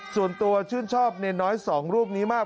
ส่วนตัวชื่นชอบเนรน้อยสองรูปนี้มาก